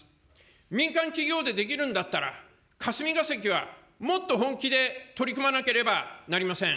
民間企業でできるんだったら、霞が関はもっと本気で取り組まなければなりません。